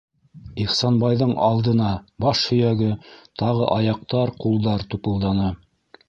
Ихсанбайҙың алдына баш һөйәге, тағы аяҡтар, ҡулдар тупылданы.